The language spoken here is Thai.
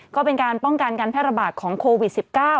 ก็เป็นการป้องกันการแพร่ระบาดของโควิด๑๙